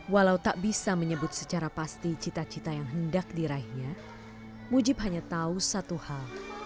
walau tak bisa menyebut secara pasti cita cita yang hendak diraihnya mujib hanya tahu satu hal